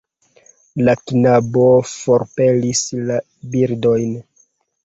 La knabo forpelis la birdojn.